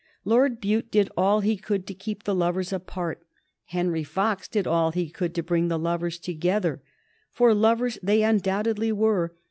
Lord Bute did all he could to keep the lovers apart. Henry Fox did all he could to bring the lovers together. For lovers they undoubtedly were.